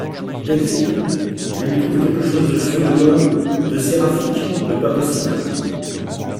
Delphine Je lui trouve quelque chose de surhumain, de séraphique, de pas possible !